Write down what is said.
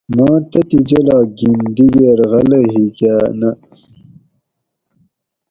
ماں تتھیں جولاگ گِن دیگیر غلہ ہیکاۤ ناۤ